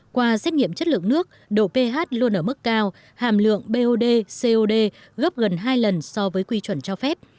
qua xét nghiệm chất lượng nước độ ph luôn ở mức cao hàm lượng bot gấp gần hai lần so với quy chuẩn cho phép